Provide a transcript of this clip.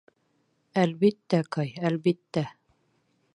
Әлбиттә, Кай, әлбиттә!..